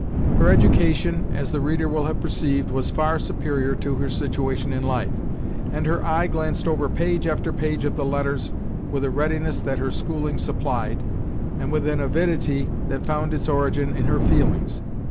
Her education, as the reader will have perceived, was far superior to her situation in life, and her eye glanced over page after page of the letters with a readiness that her schooling supplied, and with an avidity that found its origin in her feelings.